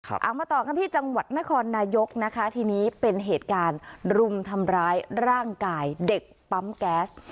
เอามาต่อกันที่จังหวัดนครนายกนะคะทีนี้เป็นเหตุการณ์รุมทำร้ายร่างกายเด็กปั๊มแก๊ส